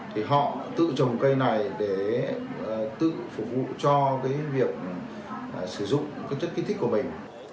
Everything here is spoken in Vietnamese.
thì họ tự trồng cây này để tự phục vụ cho việc sử dụng chất kinh tích của mình